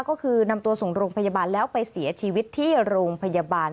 ก็คือนำตัวส่งโรงพยาบาลแล้วไปเสียชีวิตที่โรงพยาบาล